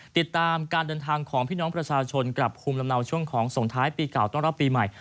ติดตามการเดินทางของพี่น้องประชาชนกลับภูมิลำเนาช่วงของส่งท้ายปีเก่าต้อนรับปีใหม่